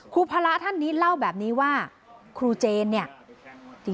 พระท่านนี้เล่าแบบนี้ว่าครูเจนเนี่ย